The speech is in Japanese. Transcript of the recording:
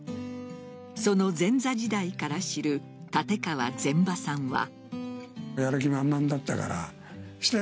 その前座時代から知る立川ぜん馬さんは。